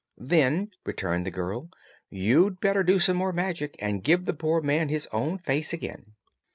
"Then," returned the girl, "you'd better do some more magic and give the poor man his own face again."